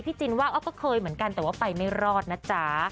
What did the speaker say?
จินว่าก็เคยเหมือนกันแต่ว่าไปไม่รอดนะจ๊ะ